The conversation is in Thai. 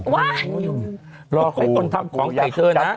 หลอกให้คนทำของใส่เธอนะ